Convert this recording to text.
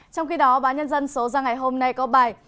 trong khi đó báo nhân dân số ra ngày hôm nay có bài